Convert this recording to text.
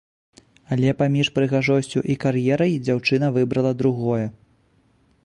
Але паміж прыгажосцю і кар'ерай дзяўчына выбрала другое.